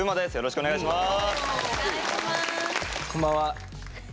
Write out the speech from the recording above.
よろしくお願いします。